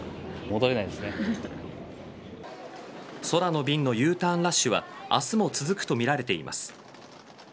空の便のＵターンラッシュは明日も続くとみられています。